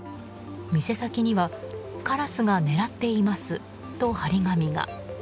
店先には「カラスが狙っています！」と貼り紙が。